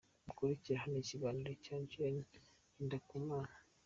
Mukurikire hano ikiganiro cya Gen Ngendakumana:.